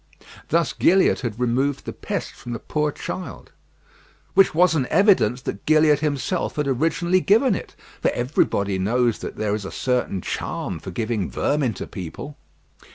Thus Gilliatt had removed the pest from the poor child, which was an evidence that Gilliatt himself had originally given it; for everybody knows that there is a certain charm for giving vermin to people.